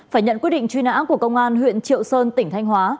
phải nhận quyết định truy nã của công an huyện triệu sơn tỉnh thanh hóa